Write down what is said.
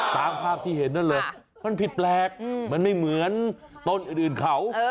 ตามภาพที่เห็นนั่นเลยมันผิดแปลกมันไม่เหมือนต้นอื่นเขา